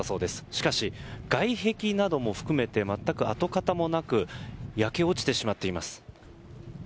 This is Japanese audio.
しかし、外壁なども含めて全く跡形もなく焼け落ちてしまっています。